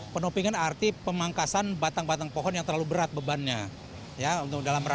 penopingan arti pemangkasan batang batang pohon yang terlalu berat bebannya